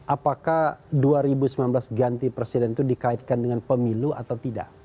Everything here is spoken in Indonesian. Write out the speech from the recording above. apakah dua ribu sembilan belas ganti presiden itu dikaitkan dengan pemilu atau tidak